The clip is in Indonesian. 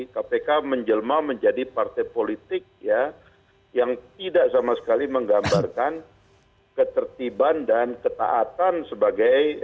kpk menjelma menjadi partai politik yang tidak sama sekali menggambarkan ketertiban dan ketaatan sebagai